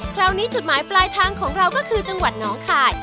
คราวนี้จุดหมายปลายทางของเราก็คือจังหวัดน้องคาย